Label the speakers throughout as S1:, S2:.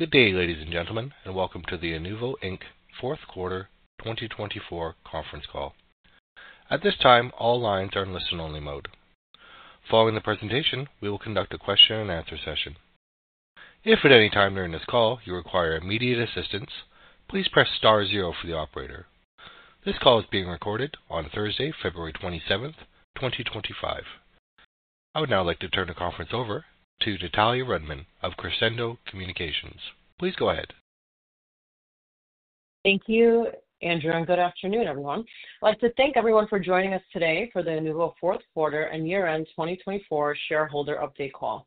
S1: Good day, ladies and gentlemen, and welcome to the Inuvo Fourth Quarter 2024 conference call. At this time, all lines are in listen-only mode. Following the presentation, we will conduct a question-and-answer session. If at any time during this call you require immediate assistance, please press star zero for the operator. This call is being recorded on Thursday, February 27th, 2025. I would now like to turn the conference over to Natalia Rudman of Crescendo Communications. Please go ahead.
S2: Thank you, Andrew, and good afternoon, everyone. I'd like to thank everyone for joining us today for the Inuvo fourth quarter and year-end 2024 shareholder update call.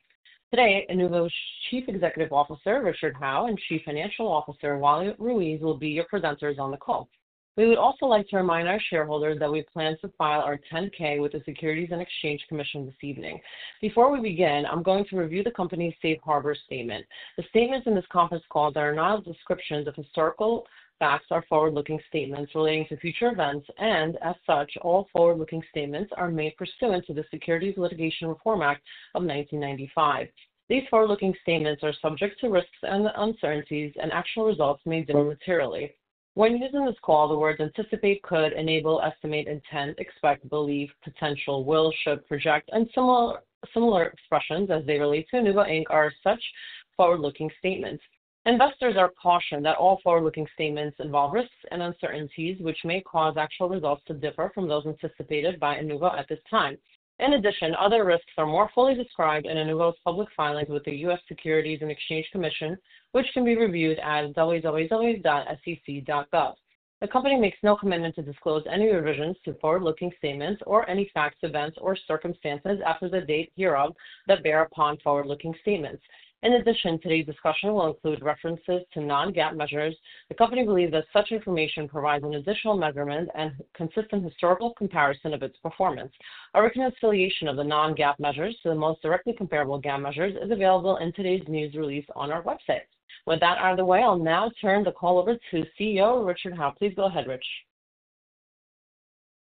S2: Today, Inuvo's Chief Executive Officer, Richard Howe, and Chief Financial Officer, Wallace Ruiz, will be your presenters on the call. We would also like to remind our shareholders that we plan to file our 10-K with the U.S. Securities and Exchange Commission this evening. Before we begin, I'm going to review the company's safe harbor statement. The statements in this conference call are not descriptions of historical facts or forward-looking statements relating to future events, and as such, all forward-looking statements are made pursuant to the Securities Litigation Reform Act of 1995. These forward-looking statements are subject to risks and uncertainties and actual results may differ materially. When using this call, the words anticipate, could, enable, estimate, intend, expect, believe, potential, will, should, project, and similar expressions as they relate to Inuvo are such forward-looking statements. Investors are cautioned that all forward-looking statements involve risks and uncertainties which may cause actual results to differ from those anticipated by Inuvo at this time. In addition, other risks are more fully described in Inuvo's public filings with the U.S. Securities and Exchange Commission, which can be reviewed at www.sec.gov. The company makes no commitment to disclose any revisions to forward-looking statements or any facts, events, or circumstances after the date hereof that bear upon forward-looking statements. In addition, today's discussion will include references to non-GAAP measures. The company believes that such information provides an additional measurement and consistent historical comparison of its performance. A reconciliation of the non-GAAP measures to the most directly comparable GAAP measures is available in today's news release on our website. With that out of the way, I'll now turn the call over to CEO Richard Howe. Please go ahead, Rich.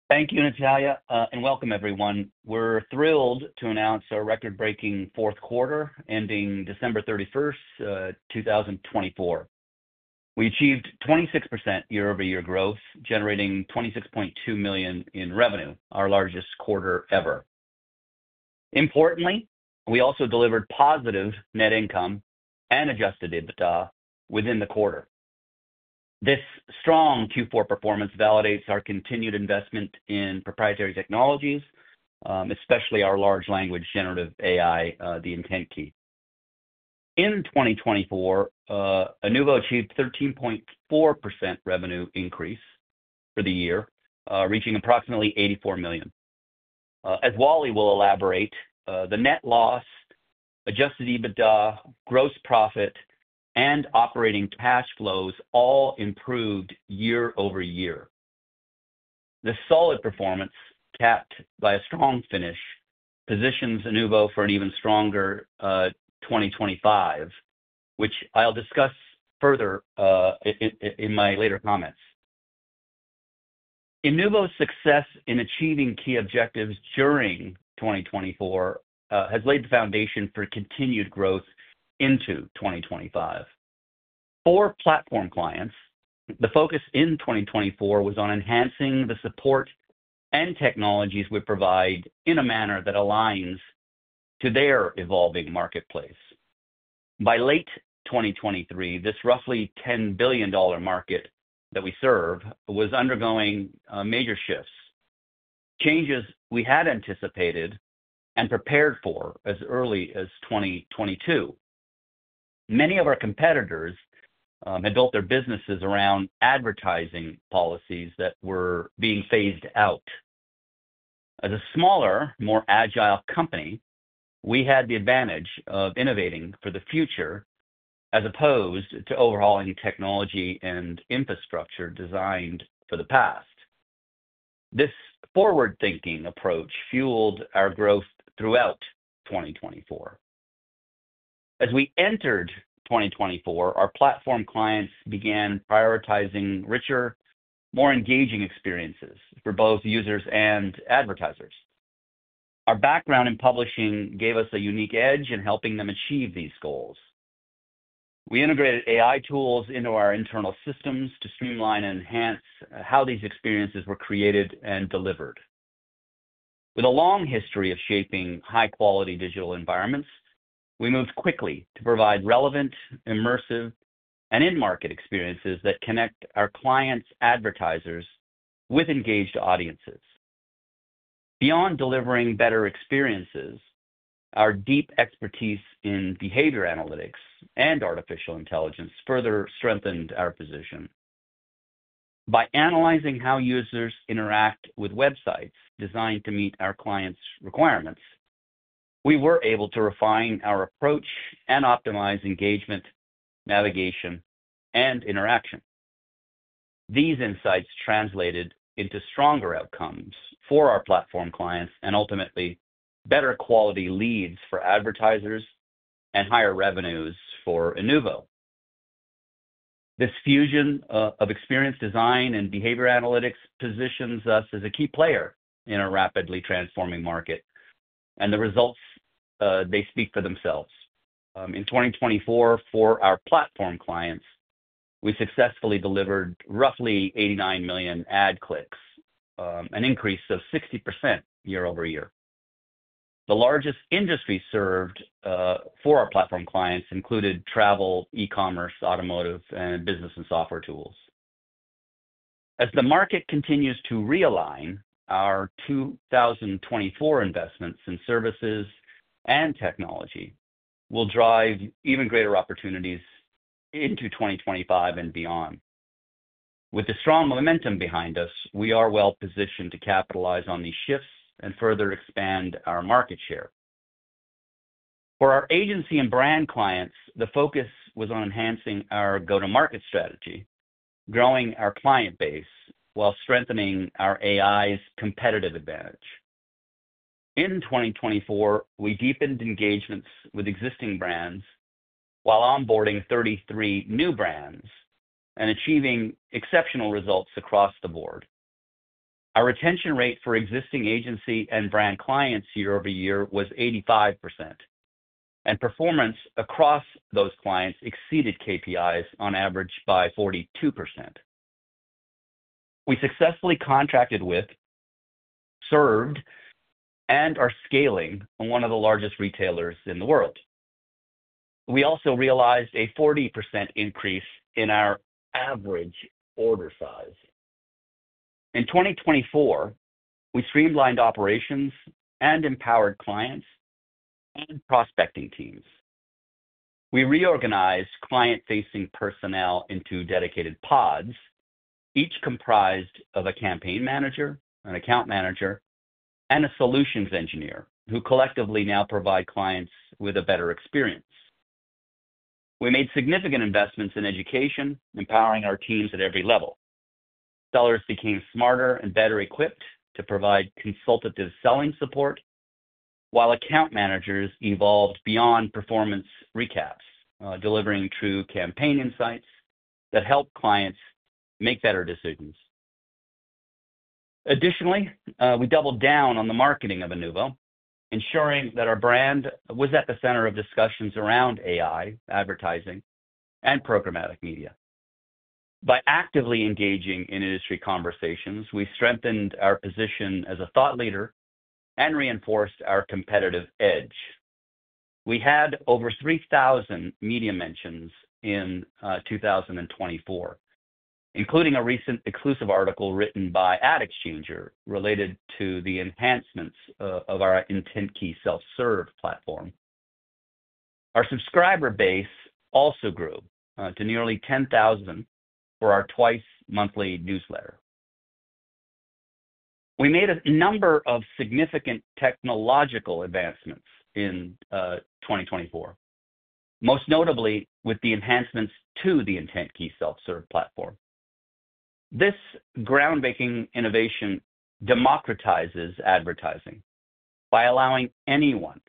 S3: Thank you, Natalia, and welcome, everyone. We're thrilled to announce our record-breaking fourth quarter ending December 31, 2024. We achieved 26% year-over-year growth, generating $26.2 million in revenue, our largest quarter ever. Importantly, we also delivered positive net income and adjusted EBITDA within the quarter. This strong Q4 performance validates our continued investment in proprietary technologies, especially our large language generative AI, the Intent Key. In 2024, Inuvo achieved a 13.4% revenue increase for the year, reaching approximately $84 million. As Wally will elaborate, the net loss, adjusted EBITDA, gross profit, and operating cash flows all improved year over year. This solid performance, capped by a strong finish, positions Inuvo for an even stronger 2025, which I'll discuss further in my later comments. Inuvo's success in achieving key objectives during 2024 has laid the foundation for continued growth into 2025. For platform clients, the focus in 2024 was on enhancing the support and technologies we provide in a manner that aligns to their evolving marketplace. By late 2023, this roughly $10 billion market that we serve was undergoing major shifts, changes we had anticipated and prepared for as early as 2022. Many of our competitors had built their businesses around advertising policies that were being phased out. As a smaller, more agile company, we had the advantage of innovating for the future as opposed to overhauling technology and infrastructure designed for the past. This forward-thinking approach fueled our growth throughout 2024. As we entered 2024, our platform clients began prioritizing richer, more engaging experiences for both users and advertisers. Our background in publishing gave us a unique edge in helping them achieve these goals. We integrated AI tools into our internal systems to streamline and enhance how these experiences were created and delivered. With a long history of shaping high-quality digital environments, we moved quickly to provide relevant, immersive, and in-market experiences that connect our clients' advertisers with engaged audiences. Beyond delivering better experiences, our deep expertise in behavior analytics and artificial intelligence further strengthened our position. By analyzing how users interact with websites designed to meet our clients' requirements, we were able to refine our approach and optimize engagement, navigation, and interaction. These insights translated into stronger outcomes for our platform clients and ultimately better quality leads for advertisers and higher revenues for Inuvo. This fusion of experience design and behavior analytics positions us as a key player in a rapidly transforming market, and the results speak for themselves. In 2024, for our platform clients, we successfully delivered roughly $89 million ad clicks, an increase of 60% year-over-year. The largest industry served for our platform clients included travel, e-commerce, automotive, and business and software tools. As the market continues to realign, our 2024 investments in services and technology will drive even greater opportunities into 2025 and beyond. With the strong momentum behind us, we are well-positioned to capitalize on these shifts and further expand our market share. For our agency and brand clients, the focus was on enhancing our go-to-market strategy, growing our client base, while strengthening our AI's competitive advantage. In 2024, we deepened engagements with existing brands while onboarding 33 new brands and achieving exceptional results across the board. Our retention rate for existing agency and brand clients year-over-year was 85%, and performance across those clients exceeded KPIs on average by 42%. We successfully contracted with, served, and are scaling on one of the largest retailers in the world. We also realized a 40% increase in our average order size. In 2024, we streamlined operations and empowered clients and prospecting teams. We reorganized client-facing personnel into dedicated pods, each comprised of a campaign manager, an account manager, and a solutions engineer who collectively now provide clients with a better experience. We made significant investments in education, empowering our teams at every level. Sellers became smarter and better equipped to provide consultative selling support, while account managers evolved beyond performance recaps, delivering true campaign insights that help clients make better decisions. Additionally, we doubled down on the marketing of Inuvo, ensuring that our brand was at the center of discussions around AI, advertising, and programmatic media. By actively engaging in industry conversations, we strengthened our position as a thought leader and reinforced our competitive edge. We had over 3,000 media mentions in 2024, including a recent exclusive article written by AdExchanger related to the enhancements of our Intent Key self-serve platform. Our subscriber base also grew to nearly 10,000 for our twice-monthly newsletter. We made a number of significant technological advancements in 2024, most notably with the enhancements to the Intent Key self-serve platform. This groundbreaking innovation democratizes advertising by allowing anyone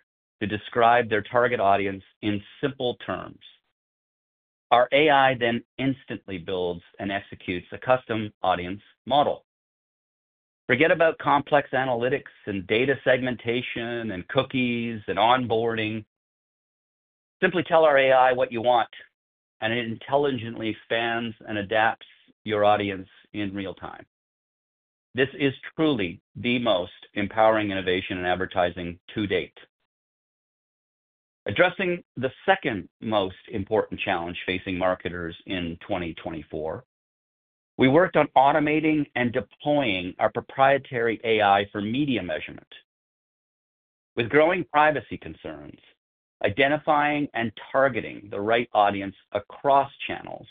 S3: to describe their target audience in simple terms. Our AI then instantly builds and executes a custom audience model. Forget about complex analytics and data segmentation and cookies and onboarding. Simply tell our AI what you want, and it intelligently expands and adapts your audience in real time. This is truly the most empowering innovation in advertising to date. Addressing the second most important challenge facing marketers in 2024, we worked on automating and deploying our proprietary AI for media measurement. With growing privacy concerns, identifying and targeting the right audience across channels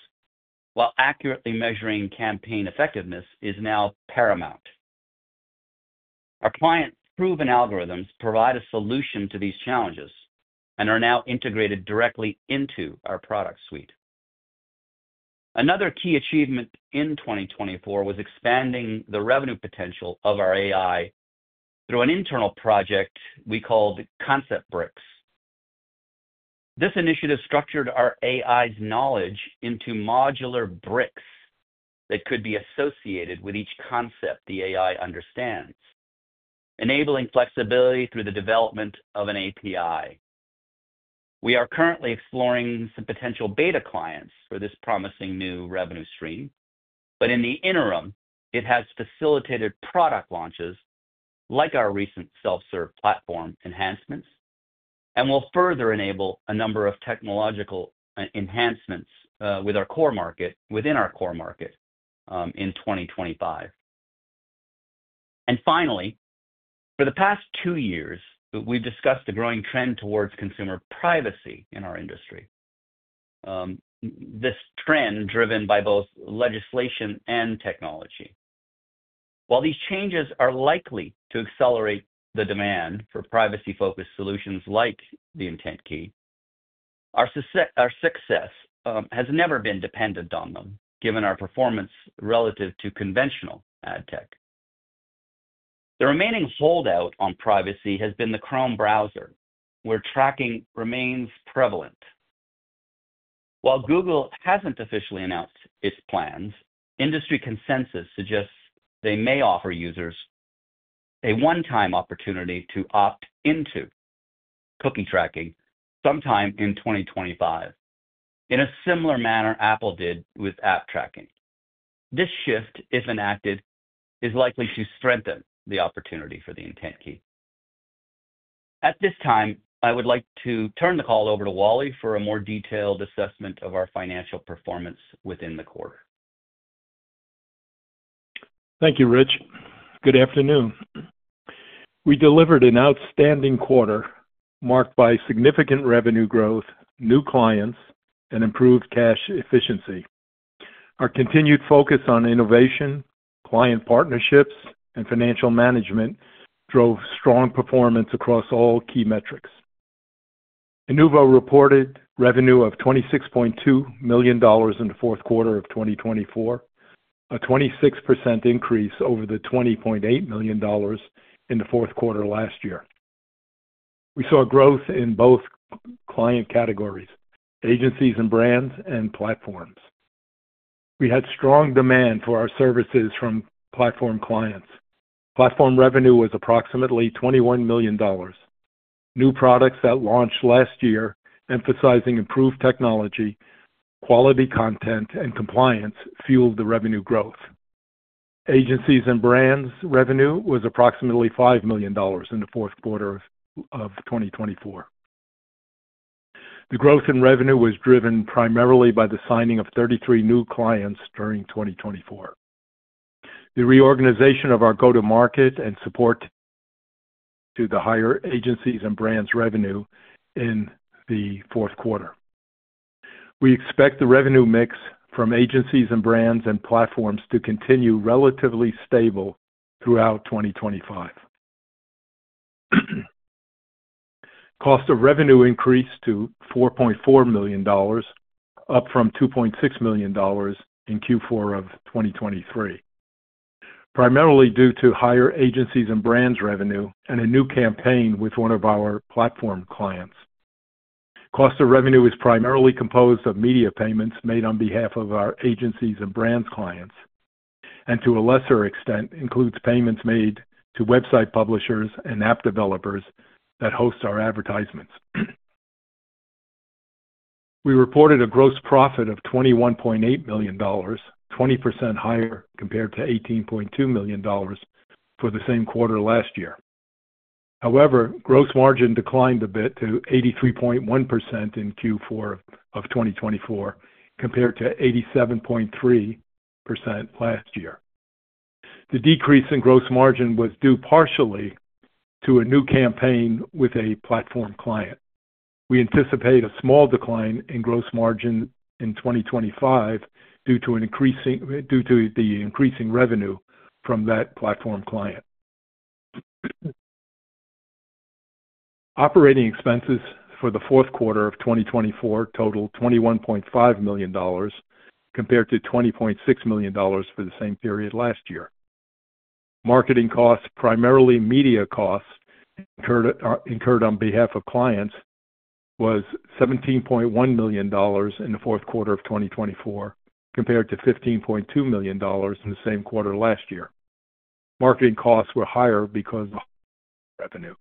S3: while accurately measuring campaign effectiveness is now paramount. Our client-proven algorithms provide a solution to these challenges and are now integrated directly into our product suite. Another key achievement in 2024 was expanding the revenue potential of our AI through an internal project we called Concept Bricks. This initiative structured our AI's knowledge into modular bricks that could be associated with each concept the AI understands, enabling flexibility through the development of an API. We are currently exploring some potential beta clients for this promising new revenue stream, but in the interim, it has facilitated product launches like our recent self-serve platform enhancements and will further enable a number of technological enhancements within our core market in 2025. For the past two years, we've discussed a growing trend towards consumer privacy in our industry, this trend driven by both legislation and technology. While these changes are likely to accelerate the demand for privacy-focused solutions like the Intent Key, our success has never been dependent on them, given our performance relative to conventional ad tech. The remaining holdout on privacy has been the Chrome browser, where tracking remains prevalent. While Google hasn't officially announced its plans, industry consensus suggests they may offer users a one-time opportunity to opt into cookie tracking sometime in 2025, in a similar manner Apple did with app tracking. This shift, if enacted, is likely to strengthen the opportunity for the Intent Key. At this time, I would like to turn the call over to Wally for a more detailed assessment of our financial performance within the quarter.
S4: Thank you, Rich. Good afternoon. We delivered an outstanding quarter marked by significant revenue growth, new clients, and improved cash efficiency. Our continued focus on innovation, client partnerships, and financial management drove strong performance across all key metrics. Inuvo reported revenue of $26.2 million in the fourth quarter of 2024, a 26% increase over the $20.8 million in the fourth quarter last year. We saw growth in both client categories, agencies and brands, and platforms. We had strong demand for our services from platform clients. Platform revenue was approximately $21 million. New products that launched last year, emphasizing improved technology, quality content, and compliance, fueled the revenue growth. Agencies and brands revenue was approximately $5 million in the fourth quarter of 2024. The growth in revenue was driven primarily by the signing of 33 new clients during 2024, the reorganization of our go-to-market, and support to the higher agencies and brands revenue in the fourth quarter. We expect the revenue mix from agencies and brands and platforms to continue relatively stable throughout 2025. Cost of revenue increased to $4.4 million, up from $2.6 million in Q4 of 2023, primarily due to higher agencies and brands revenue and a new campaign with one of our platform clients. Cost of revenue is primarily composed of media payments made on behalf of our agencies and brands clients and, to a lesser extent, includes payments made to website publishers and app developers that host our advertisements. We reported a gross profit of $21.8 million, 20% higher compared to $18.2 million for the same quarter last year. However, gross margin declined a bit to 83.1% in Q4 of 2024, compared to 87.3% last year. The decrease in gross margin was due partially to a new campaign with a platform client. We anticipate a small decline in gross margin in 2025 due to the increasing revenue from that platform client. Operating expenses for the fourth quarter of 2024 totaled $21.5 million compared to $20.6 million for the same period last year. Marketing costs, primarily media costs, incurred on behalf of clients was $17.1 million in the fourth quarter of 2024, compared to $15.2 million in the same quarter last year. Marketing costs were higher because of revenue.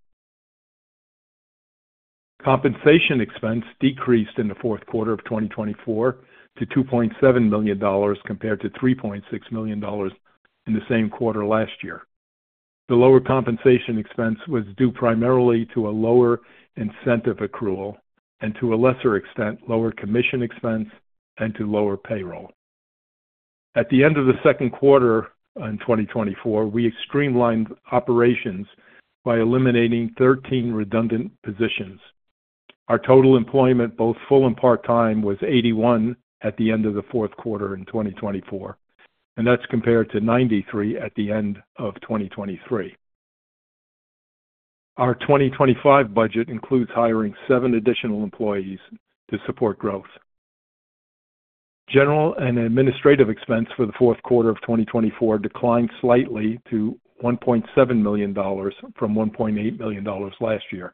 S4: Compensation expense decreased in the fourth quarter of 2024 to $2.7 million compared to $3.6 million in the same quarter last year. The lower compensation expense was due primarily to a lower incentive accrual and, to a lesser extent, lower commission expense and to lower payroll. At the end of the second quarter in 2024, we streamlined operations by eliminating 13 redundant positions. Our total employment, both full and part-time, was 81 at the end of the fourth quarter in 2024, and that's compared to 93 at the end of 2023. Our 2025 budget includes hiring seven additional employees to support growth. General and administrative expense for the fourth quarter of 2024 declined slightly to $1.7 million from $1.8 million last year,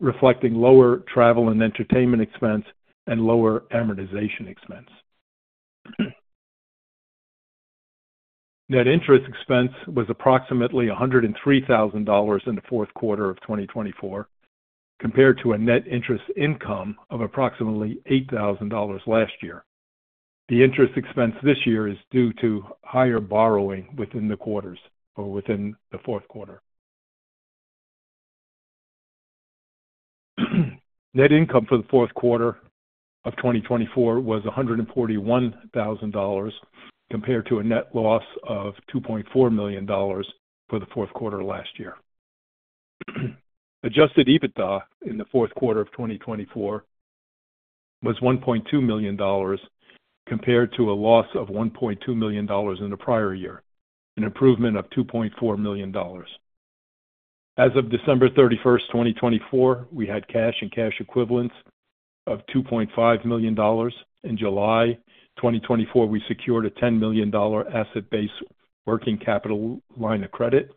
S4: reflecting lower travel and entertainment expense and lower amortization expense. Net interest expense was approximately $103,000 in the fourth quarter of 2024, compared to a net interest income of approximately $8,000 last year. The interest expense this year is due to higher borrowing within the quarters or within the fourth quarter. Net income for the fourth quarter of 2024 was $141,000 compared to a net loss of $2.4 million for the fourth quarter last year. Adjusted EBITDA in the fourth quarter of 2024 was $1.2 million compared to a loss of $1.2 million in the prior year, an improvement of $2.4 million. As of December 31, 2024, we had cash and cash equivalents of $2.5 million. In July 2024, we secured a $10 million asset-based working capital line of credit,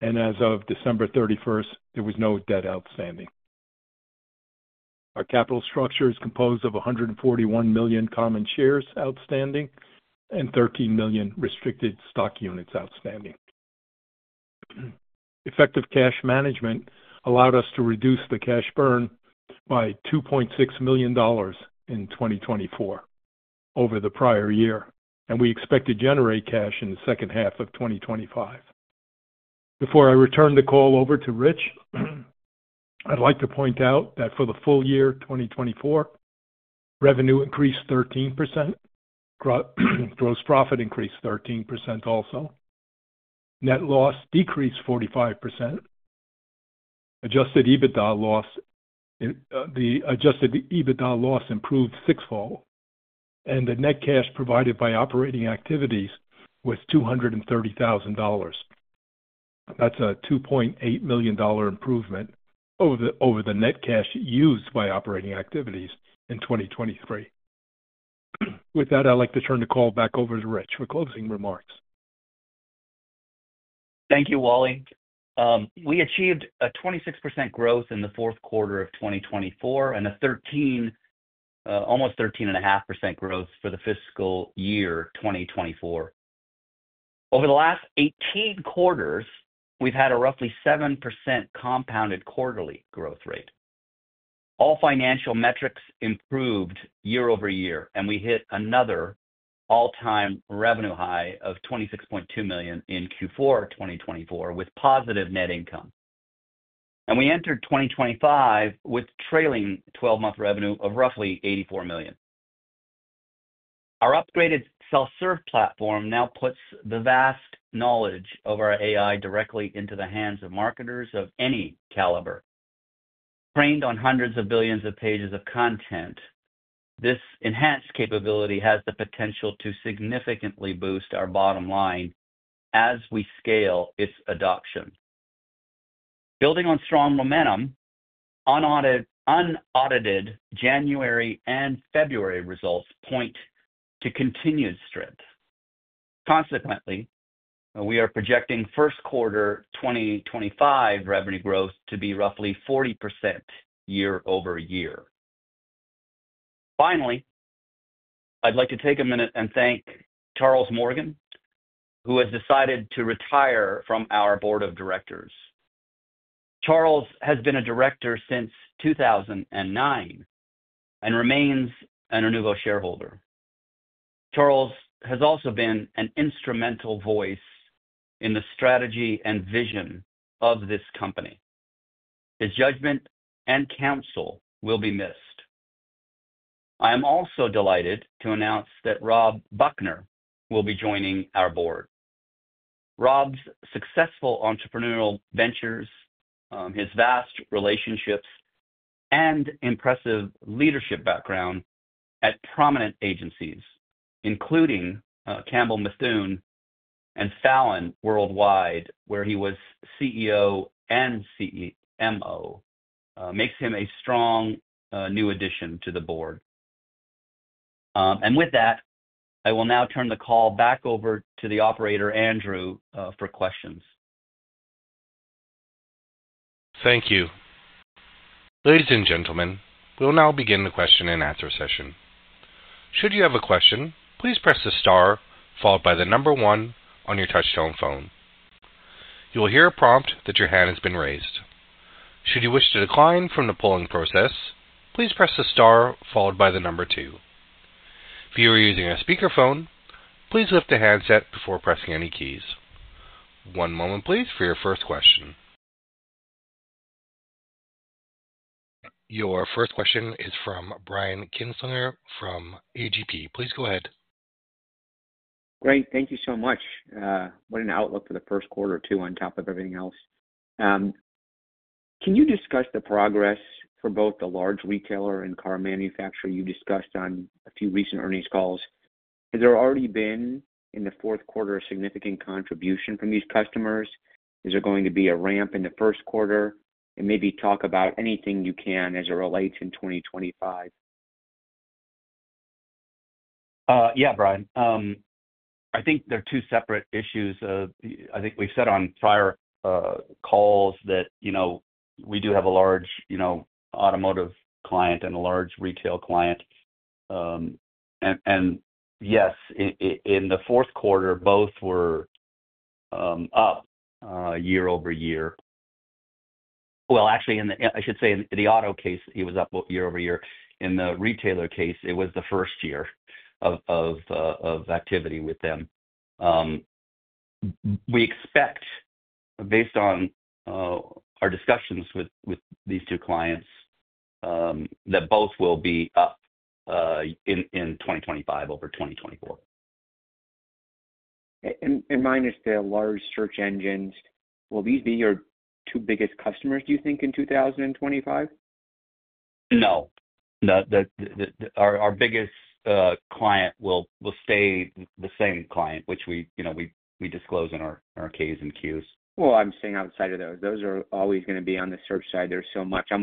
S4: and as of December 31, there was no debt outstanding. Our capital structure is composed of 141 million common shares outstanding and 13 million restricted stock units outstanding. Effective cash management allowed us to reduce the cash burn by $2.6 million in 2024 over the prior year, and we expect to generate cash in the second half of 2025. Before I return the call over to Rich, I'd like to point out that for the full year 2024, revenue increased 13%, gross profit increased 13% also, net loss decreased 45%, adjusted EBITDA loss improved sixfold, and the net cash provided by operating activities was $230,000. That's a $2.8 million improvement over the net cash used by operating activities in 2023. With that, I'd like to turn the call back over to Rich for closing remarks.
S3: Thank you, Wally. We achieved a 26% growth in the fourth quarter of 2024 and a 13, almost 13.5% growth for the fiscal year 2024. Over the last 18 quarters, we've had a roughly 7% compounded quarterly growth rate. All financial metrics improved year over year, and we hit another all-time revenue high of $26.2 million in Q4 2024 with positive net income. We entered 2025 with trailing 12-month revenue of roughly $84 million. Our upgraded self-serve platform now puts the vast knowledge of our AI directly into the hands of marketers of any caliber. Trained on hundreds of billions of pages of content, this enhanced capability has the potential to significantly boost our bottom line as we scale its adoption. Building on strong momentum, unaudited January and February results point to continued strength. Consequently, we are projecting first quarter 2025 revenue growth to be roughly 40% year over year. Finally, I'd like to take a minute and thank Charles Morgan, who has decided to retire from our board of directors. Charles has been a director since 2009 and remains an Inuvo shareholder. Charles has also been an instrumental voice in the strategy and vision of this company. His judgment and counsel will be missed. I am also delighted to announce that Rob Buchner will be joining our board. Rob's successful entrepreneurial ventures, his vast relationships, and impressive leadership background at prominent agencies, including Campbell Mithun and Fallon Worldwide, where he was CEO and CMO, makes him a strong new addition to the board. I will now turn the call back over to the operator, Andrew, for questions.
S1: Thank you. Ladies and gentlemen, we will now begin the question and answer session. Should you have a question, please press the star followed by the number one on your touch-tone phone. You will hear a prompt that your hand has been raised. Should you wish to decline from the polling process, please press the star followed by the number two. If you are using a speakerphone, please lift the handset before pressing any keys. One moment, please, for your first question. Your first question is from Brian Kinstlinger from AGP. Please go ahead.
S5: Great. Thank you so much. What an outlook for the first quarter or two on top of everything else. Can you discuss the progress for both the large retailer and car manufacturer you discussed on a few recent earnings calls? Has there already been in the fourth quarter a significant contribution from these customers? Is there going to be a ramp in the first quarter? Maybe talk about anything you can as it relates in 2025.
S3: Yeah, Brian. I think they're two separate issues. I think we've said on prior calls that we do have a large automotive client and a large retail client. Yes, in the fourth quarter, both were up year over year. Actually, I should say in the auto case, it was up year over year. In the retailer case, it was the first year of activity with them. We expect, based on our discussions with these two clients, that both will be up in 2025 over 2024.
S5: Minus the large search engines, will these be your two biggest customers, do you think, in 2025?
S3: No. Our biggest client will stay the same client, which we disclose in our Ks and Qs.
S5: I'm staying outside of those. Those are always going to be on the search side. There's so much. I'm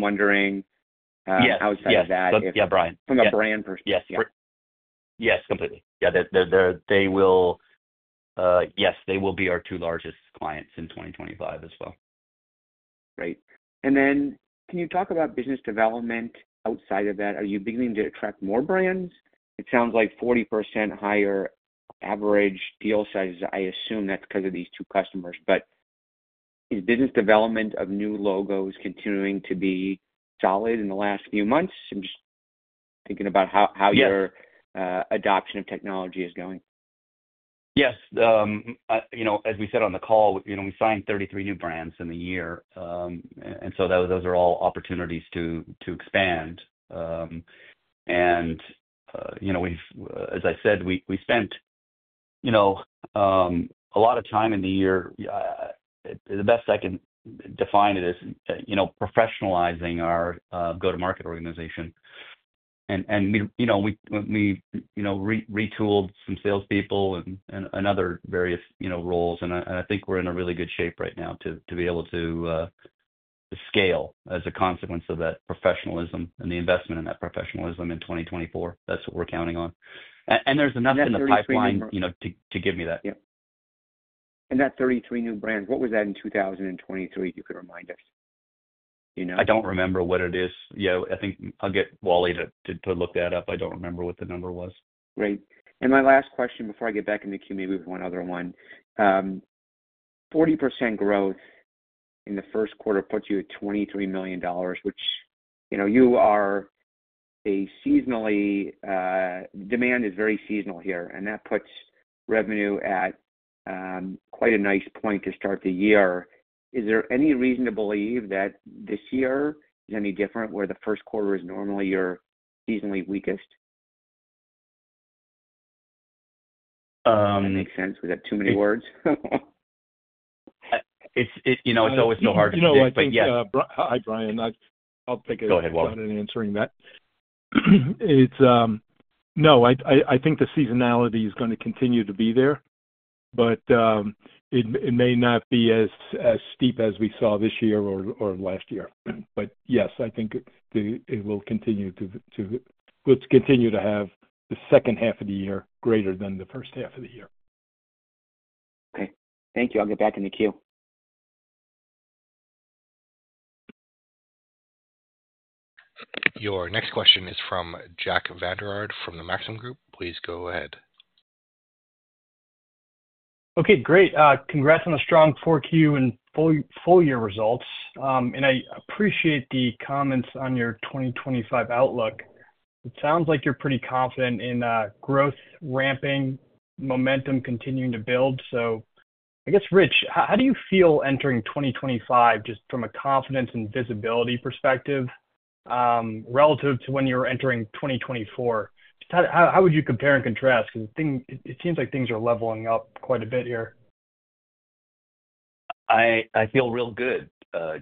S5: wondering outside of that.
S3: Yes. Yes. Yeah, Brian.
S5: From a brand perspective.
S3: Yes. Yes. Completely. Yeah. Yes, they will be our two largest clients in 2025 as well.
S5: Great. Can you talk about business development outside of that? Are you beginning to attract more brands? It sounds like 40% higher average deal sizes. I assume that's because of these two customers. Is business development of new logos continuing to be solid in the last few months? I'm just thinking about how your adoption of technology is going.
S3: Yes. As we said on the call, we signed 33 new brands in the year. Those are all opportunities to expand. As I said, we spent a lot of time in the year, the best I can define it as professionalizing our go-to-market organization. We retooled some salespeople and other various roles. I think we're in really good shape right now to be able to scale as a consequence of that professionalism and the investment in that professionalism in 2024. That's what we're counting on. There's enough in the pipeline to give me that.
S5: That 33 new brands, what was that in 2023? You could remind us.
S3: I don't remember what it is. Yeah, I think I'll get Wally to look that up. I don't remember what the number was.
S5: Great. My last question before I get back into Q&A with one other one. 40% growth in the first quarter puts you at $23 million, which you are a seasonally demand is very seasonal here, and that puts revenue at quite a nice point to start the year. Is there any reason to believe that this year is any different where the first quarter is normally your seasonally weakest? That makes sense. Was that too many words?
S3: It's always so hard to do. Yes.
S6: Hi, Brian. I'll take a stab at answering that. No, I think the seasonality is going to continue to be there, but it may not be as steep as we saw this year or last year. Yes, I think it will continue to continue to have the second half of the year greater than the first half of the year.
S5: Okay. Thank you. I'll get back into Q.
S1: Your next question is from Jack Vander Aarde from Maxim Group. Please go ahead.
S6: Okay. Great. Congrats on a strong 4Q and full year results. I appreciate the comments on your 2025 outlook. It sounds like you're pretty confident in growth, ramping, momentum continuing to build. I guess, Rich, how do you feel entering 2025 just from a confidence and visibility perspective relative to when you were entering 2024? How would you compare and contrast? It seems like things are leveling up quite a bit here.
S3: I feel real good,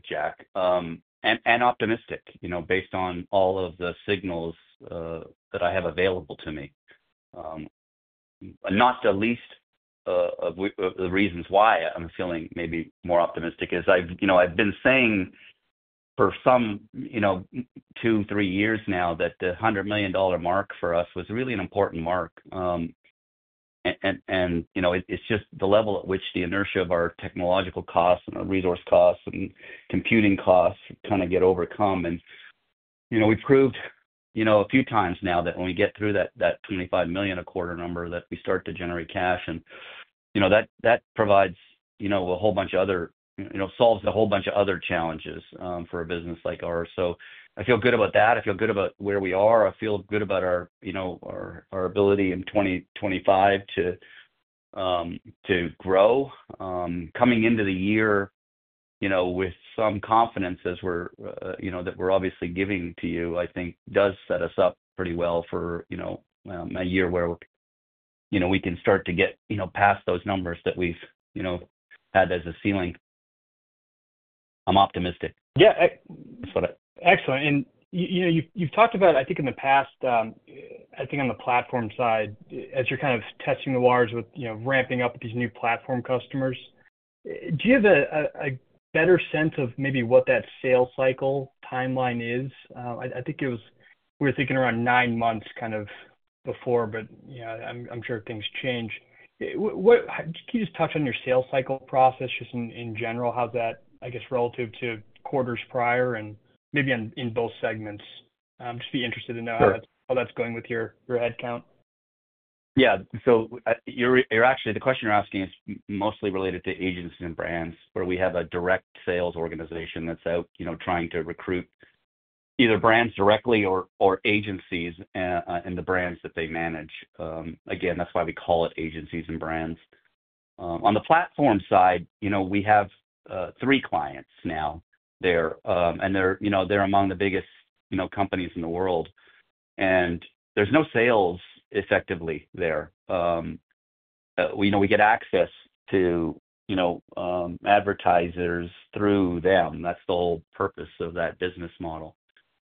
S3: Jack, and optimistic based on all of the signals that I have available to me. Not the least of the reasons why I'm feeling maybe more optimistic is I've been saying for some two, three years now that the $100 million mark for us was really an important mark. It's just the level at which the inertia of our technological costs and our resource costs and computing costs kind of get overcome. We've proved a few times now that when we get through that $25 million a quarter number, we start to generate cash. That provides a whole bunch of other, solves a whole bunch of other challenges for a business like ours. I feel good about that. I feel good about where we are. I feel good about our ability in 2025 to grow. Coming into the year with some confidence as we're that we're obviously giving to you, I think does set us up pretty well for a year where we can start to get past those numbers that we've had as a ceiling. I'm optimistic.
S6: Yeah. Excellent. You talked about, I think, in the past, I think on the platform side, as you're kind of testing the waters with ramping up these new platform customers. Do you have a better sense of maybe what that sales cycle timeline is? I think we were thinking around nine months kind of before, but I'm sure things change. Can you just touch on your sales cycle process just in general? How's that, I guess, relative to quarters prior and maybe in both segments? Just be interested to know how that's going with your headcount.
S3: Yeah. Actually, the question you're asking is mostly related to agencies and brands where we have a direct sales organization that's out trying to recruit either brands directly or agencies and the brands that they manage. Again, that's why we call it agencies and brands. On the platform side, we have three clients now there, and they're among the biggest companies in the world. There's no sales effectively there. We get access to advertisers through them. That's the whole purpose of that business model.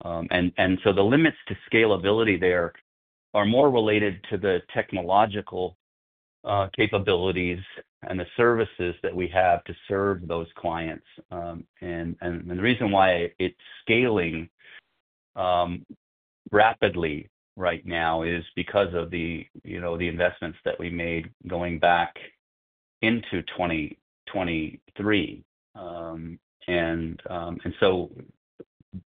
S3: The limits to scalability there are more related to the technological capabilities and the services that we have to serve those clients. The reason why it's scaling rapidly right now is because of the investments that we made going back into 2023.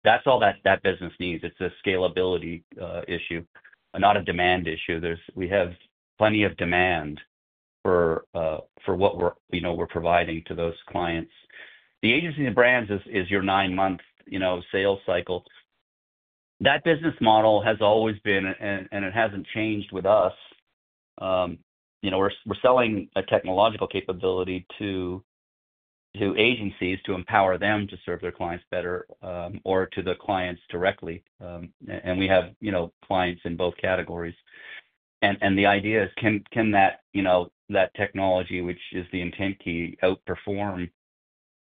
S3: That's all that business needs. It's a scalability issue, not a demand issue. We have plenty of demand for what we're providing to those clients. The agency and brands is your nine-month sales cycle. That business model has always been, and it hasn't changed with us. We're selling a technological capability to agencies to empower them to serve their clients better or to the clients directly. We have clients in both categories. The idea is, can that technology, which is the Intent Key, outperform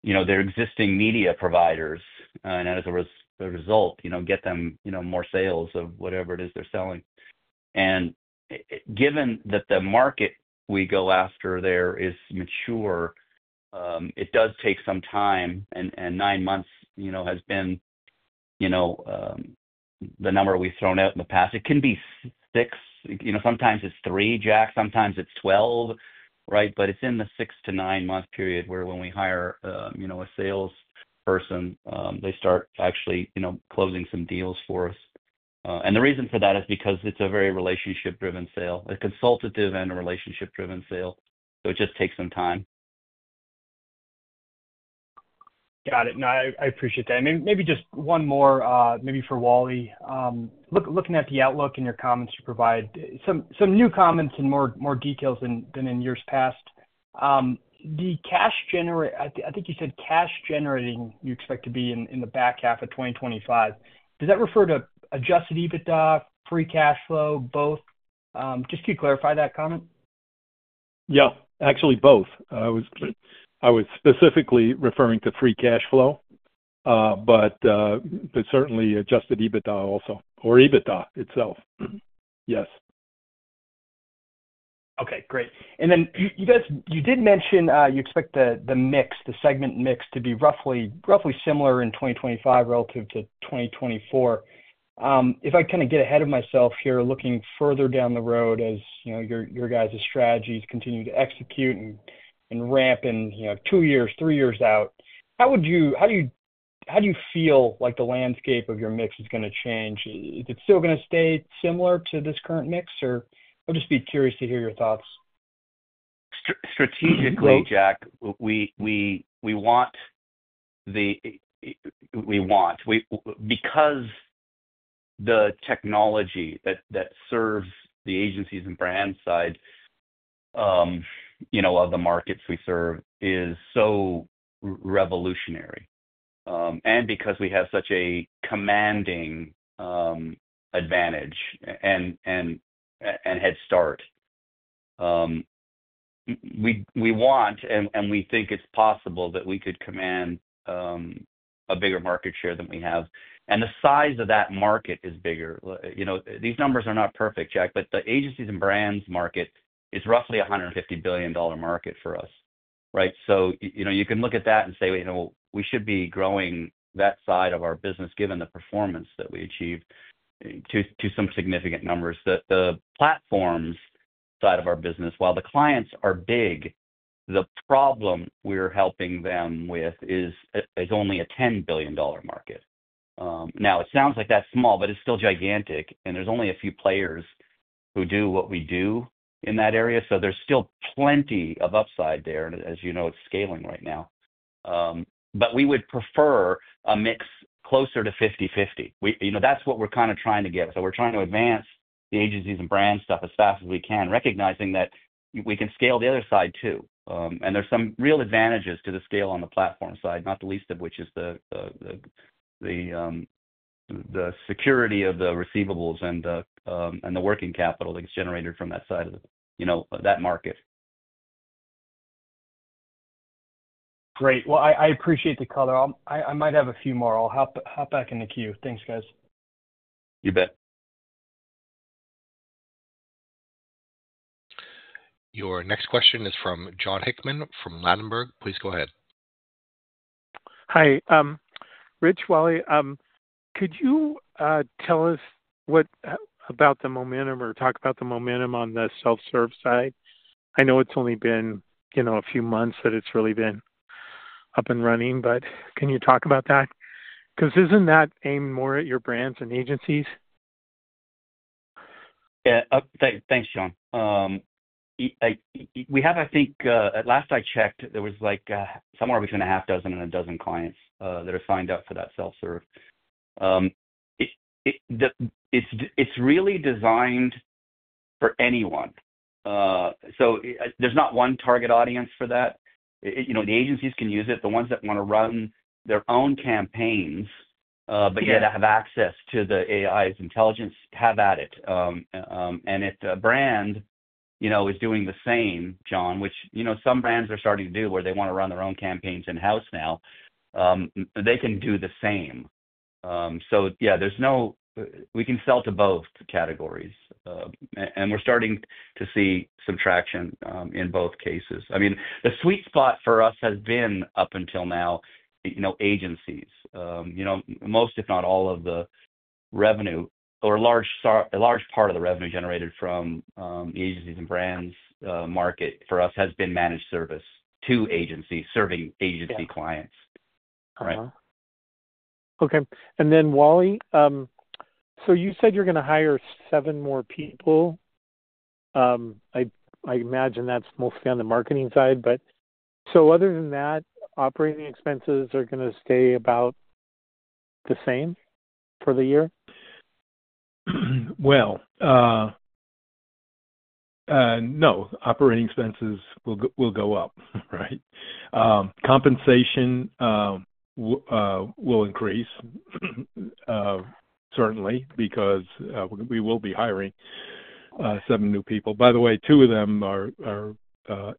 S3: their existing media providers and as a result, get them more sales of whatever it is they're selling? Given that the market we go after there is mature, it does take some time. Nine months has been the number we've thrown out in the past. It can be six. Sometimes it's three, Jack. Sometimes it's 12, right? It is in the six to nine-month period where when we hire a salesperson, they start actually closing some deals for us. The reason for that is because it is a very relationship-driven sale, a consultative and a relationship-driven sale. It just takes some time.
S6: Got it. No, I appreciate that. Maybe just one more, maybe for Wally. Looking at the outlook and your comments you provide, some new comments and more details than in years past. I think you said cash generating you expect to be in the back half of 2025. Does that refer to adjusted EBITDA, free cash flow, both? Just can you clarify that comment?
S4: Yeah. Actually, both. I was specifically referring to free cash flow, but certainly adjusted EBITDA also or EBITDA itself. Yes.
S6: Okay. Great. You did mention you expect the mix, the segment mix to be roughly similar in 2025 relative to 2024. If I kind of get ahead of myself here, looking further down the road as your guys' strategies continue to execute and ramp in two years, three years out, how do you feel like the landscape of your mix is going to change? Is it still going to stay similar to this current mix? I would just be curious to hear your thoughts.
S3: Strategically, Jack, we want the we want because the technology that serves the agencies and brand side of the markets we serve is so revolutionary. Because we have such a commanding advantage and head start, we want and we think it's possible that we could command a bigger market share than we have. The size of that market is bigger. These numbers are not perfect, Jack, but the agencies and brands market is roughly a $150 billion market for us, right? You can look at that and say, "We should be growing that side of our business given the performance that we achieved to some significant numbers." The platforms side of our business, while the clients are big, the problem we're helping them with is only a $10 billion market. It sounds like that's small, but it's still gigantic. There are only a few players who do what we do in that area. There is still plenty of upside there. As you know, it is scaling right now. We would prefer a mix closer to 50/50. That is what we are kind of trying to get. We are trying to advance the agencies and brand stuff as fast as we can, recognizing that we can scale the other side too. There are some real advantages to the scale on the platform side, not the least of which is the security of the receivables and the working capital that gets generated from that side of that market.
S6: Great. I appreciate the color. I might have a few more. I'll hop back into Q. Thanks, guys.
S3: You bet.
S1: Your next question is from John Hickman from Ladenburg. Please go ahead.
S7: Hi. Rich, Wally, could you tell us about the momentum or talk about the momentum on the self-serve side? I know it's only been a few months that it's really been up and running, but can you talk about that? Because isn't that aimed more at your brands and agencies?
S3: Yeah. Thanks, John. We have, I think at last I checked, there was somewhere between a half dozen and a dozen clients that are signed up for that self-serve. It's really designed for anyone. There is not one target audience for that. The agencies can use it, the ones that want to run their own campaigns, but yet have access to the AI's intelligence have at it. If the brand is doing the same, John, which some brands are starting to do where they want to run their own campaigns in-house now, they can do the same. Yeah, we can sell to both categories. We are starting to see some traction in both cases. I mean, the sweet spot for us has been up until now, agencies. Most, if not all, of the revenue or a large part of the revenue generated from the agencies and brands market for us has been managed service to agencies serving agency clients. Right.
S7: Okay. Wally, you said you're going to hire seven more people. I imagine that's mostly on the marketing side. Other than that, operating expenses are going to stay about the same for the year?
S4: Operating expenses will go up, right? Compensation will increase, certainly, because we will be hiring seven new people. By the way, two of them are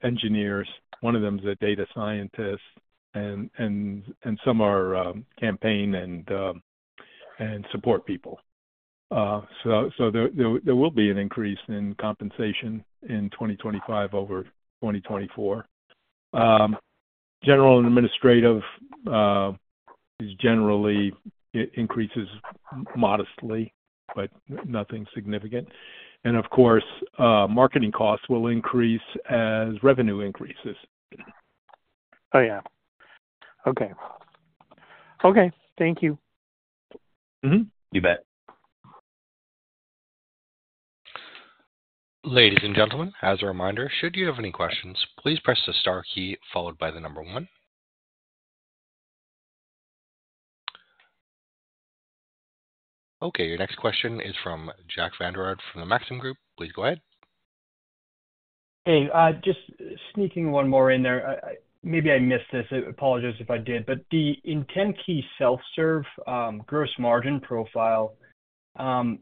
S4: engineers. One of them is a data scientist, and some are campaign and support people. There will be an increase in compensation in 2025 over 2024. General and administrative generally increases modestly, but nothing significant. Of course, marketing costs will increase as revenue increases.
S7: Oh, yeah. Okay. Okay. Thank you.
S3: You bet.
S1: Ladies and gentlemen, as a reminder, should you have any questions, please press the star key followed by the number one. Okay. Your next question is from Jack Vanderard from the Maxim Group. Please go ahead.
S6: Hey, just sneaking one more in there. Maybe I missed this. I apologize if I did. But the Intent Key self-serve gross margin profile,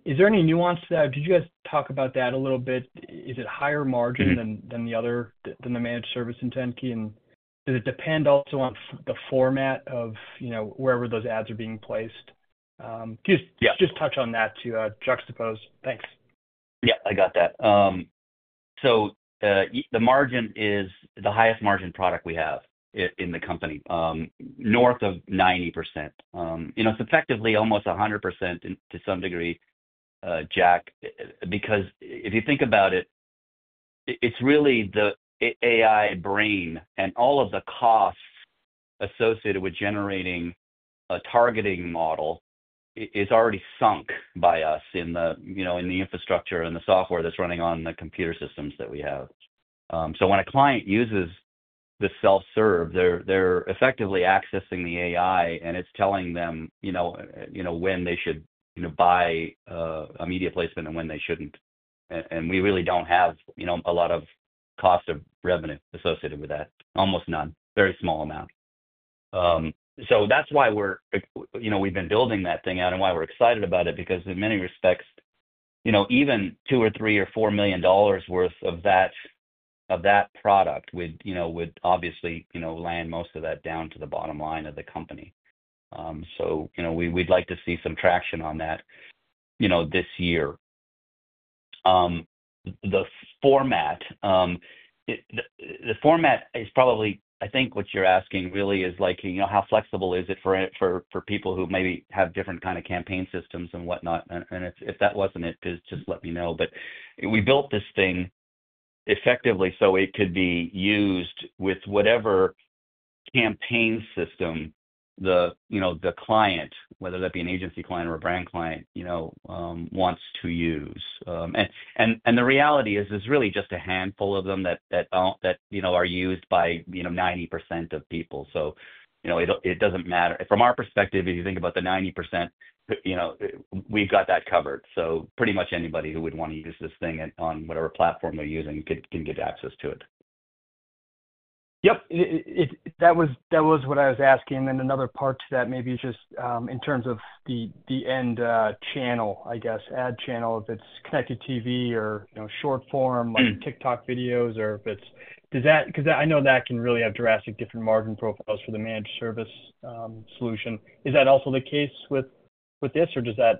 S6: is there any nuance there? Did you guys talk about that a little bit? Is it higher margin than the managed service Intent Key? And does it depend also on the format of wherever those ads are being placed?
S3: Yeah.
S6: Just touch on that to juxtapose. Thanks.
S3: Yeah. I got that. The margin is the highest margin product we have in the company, north of 90%. It is effectively almost 100% to some degree, Jack, because if you think about it, it is really the AI brain and all of the costs associated with generating a targeting model is already sunk by us in the infrastructure and the software that is running on the computer systems that we have. When a client uses the self-serve, they are effectively accessing the AI, and it is telling them when they should buy a media placement and when they should not. We really do not have a lot of cost of revenue associated with that, almost none, very small amount. That is why we have been building that thing out and why we are excited about it, because in many respects, even $2 million-$3 million or $4 million worth of that product would obviously land most of that down to the bottom line of the company. We would like to see some traction on that this year. The format is probably, I think what you are asking really is how flexible is it for people who maybe have different kinds of campaign systems and whatnot. If that was not it, just let me know. We built this thing effectively so it could be used with whatever campaign system the client, whether that be an agency client or a brand client, wants to use. The reality is there are really just a handful of them that are used by 90% of people. It does not matter. From our perspective, if you think about the 90%, we've got that covered. Pretty much anybody who would want to use this thing on whatever platform they're using can get access to it.
S6: Yep. That was what I was asking. Another part to that, maybe just in terms of the end channel, I guess, ad channel, if it's connected TV or short form like TikTok videos or if it's because I know that can really have drastic different margin profiles for the managed service solution. Is that also the case with this, or is that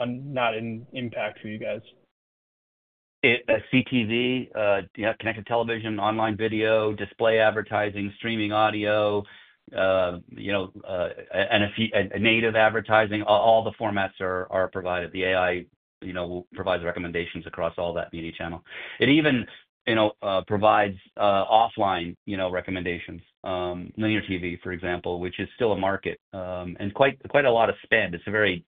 S6: not an impact for you guys?
S3: CTV, connected television, online video, display advertising, streaming audio, and native advertising. All the formats are provided. The AI provides recommendations across all that media channel. It even provides offline recommendations, linear TV, for example, which is still a market and quite a lot of spend. It is a very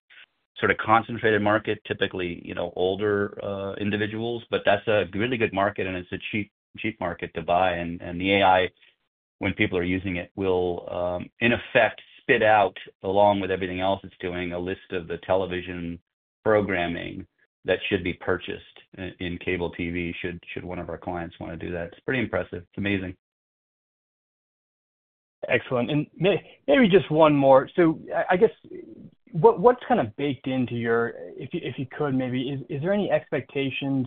S3: sort of concentrated market, typically older individuals, but that is a really good market, and it is a cheap market to buy. The AI, when people are using it, will in effect spit out, along with everything else it is doing, a list of the television programming that should be purchased in cable TV should one of our clients want to do that. It is pretty impressive. It is amazing.
S6: Excellent. Maybe just one more. I guess what's kind of baked into your, if you could, maybe, is there any expectations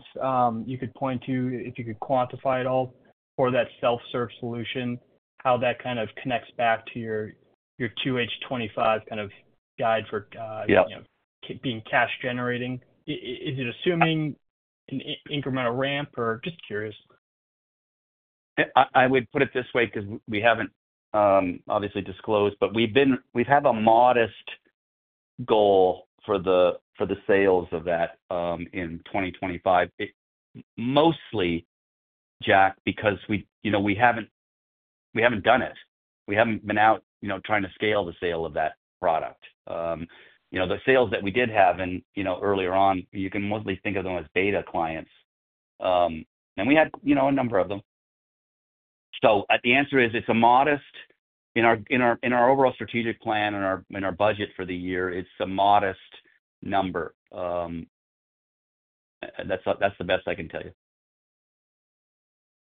S6: you could point to, if you could quantify it all for that self-serve solution, how that kind of connects back to your QH25 kind of guide for being cash generating? Is it assuming an incremental ramp or just curious?
S3: I would put it this way because we have not obviously disclosed, but we have had a modest goal for the sales of that in 2025. Mostly, Jack, because we have not done it. We have not been out trying to scale the sale of that product. The sales that we did have earlier on, you can mostly think of them as beta clients. We had a number of them. The answer is it is modest in our overall strategic plan and our budget for the year, it is a modest number. That is the best I can tell you.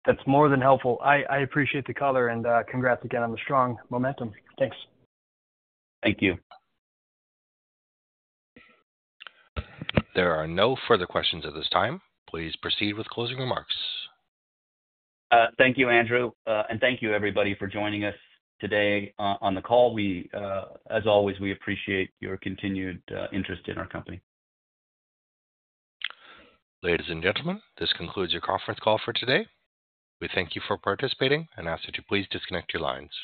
S6: That's more than helpful. I appreciate the color. Congrats again on the strong momentum. Thanks.
S3: Thank you.
S1: There are no further questions at this time. Please proceed with closing remarks.
S3: Thank you, Andrew. Thank you, everybody, for joining us today on the call. As always, we appreciate your continued interest in our company.
S1: Ladies and gentlemen, this concludes your conference call for today. We thank you for participating and ask that you please disconnect your lines.